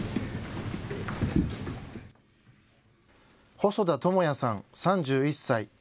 細田智也さん、３１歳。